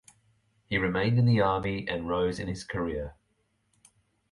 He remained in the army and rose in his career.